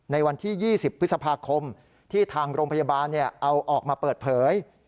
ในวันที่๒๐พฤษภาคมที่ทางโรงพยาบาลเอาออกมาเปิดเผย